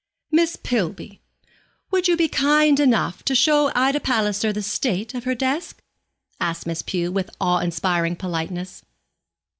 'Miss Pillby, will you be kind enough to show Ida Palliser the state of her desk?' asked Miss Pew, with awe inspiring politeness.